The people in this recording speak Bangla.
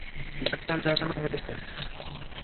ডাক্তার দেখানো হয়েছে?